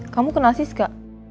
kamu kenal siska